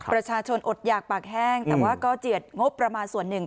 อดหยากปากแห้งแต่ว่าก็เจียดงบประมาณส่วนหนึ่ง